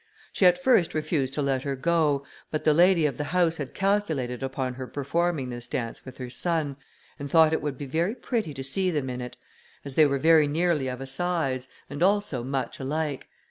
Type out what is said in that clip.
She at first refused to let her go, but the lady of the house had calculated upon her performing this dance with her son, and thought it would be very pretty to see them in it, as they were nearly of a size, and also much alike.